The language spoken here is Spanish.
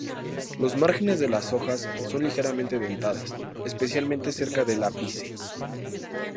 Los márgenes de las hojas son ligeramente dentadas, especialmente cerca del ápice.